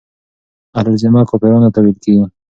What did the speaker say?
اهل الذمه کافرانو ته ويل کيږي.